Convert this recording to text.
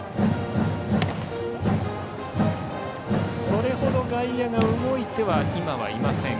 それ程外野が動いては今はいません。